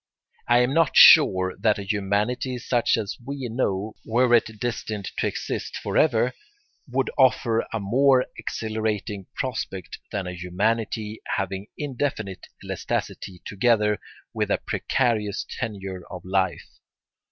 I am not sure that a humanity such as we know, were it destined to exist for ever, would offer a more exhilarating prospect than a humanity having indefinite elasticity together with a precarious tenure of life.